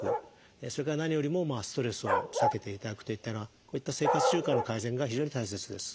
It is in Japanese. それから何よりもストレスを避けていただくといったようなこういった生活習慣の改善が非常に大切です。